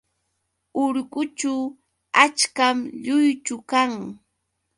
Urqućhu achkam lluychu kan.